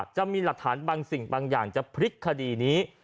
จะมีหลักฐานบางสิ่งบางอย่างจะพลิกคดีนี้